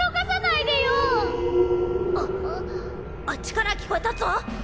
あっちから聞こえたっぞ！